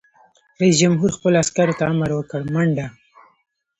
رئیس جمهور خپلو عسکرو ته امر وکړ؛ منډه!